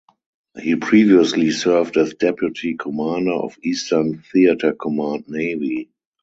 He previously served as deputy commander of Eastern Theater Command Navy.